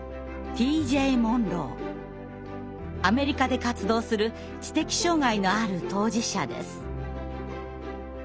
アメリカで活動する知的障害のある当事者です。